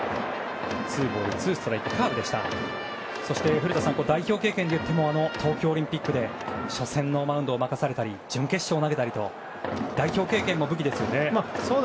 古田さん、代表経験でいっても東京オリンピックで初戦のマウンドを任されたり準決勝を投げたりと代表経験も武器ですよね。